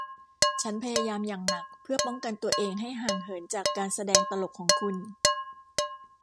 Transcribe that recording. ฉันพยายามอย่างหนักเพื่อป้องกันตัวเองให้ห่างเหินจากการแสดงตลกของคุณ